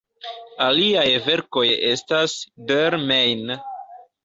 Aliaj verkoj estas: "Der Main.